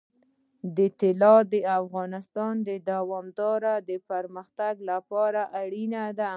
طلا د افغانستان د دوامداره پرمختګ لپاره اړین دي.